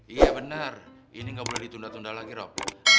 iya benar ini nggak boleh ditunda tunda lagi rob